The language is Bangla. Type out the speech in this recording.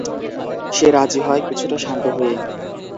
সে রাজি হয়, কিছুটা শান্ত হয়ে।